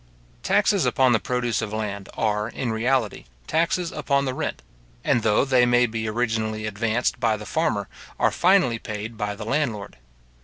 Taxes upon the produce of land are, In reality, taxes upon the rent; and though they may be originally advanced by the farmer, are finally paid by the landlord.